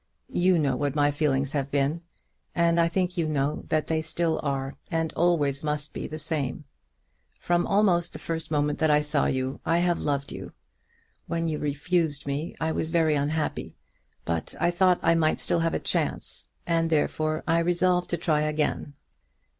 You know what my feelings have been, and I think you know that they still are, and always must be, the same. From almost the first moment that I saw you I have loved you. When you refused me I was very unhappy; but I thought I might still have a chance, and therefore I resolved to try again.